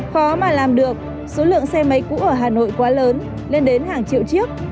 khó mà làm được số lượng xe máy cũ ở hà nội quá lớn lên đến hàng triệu chiếc